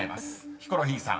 ヒコロヒーさん］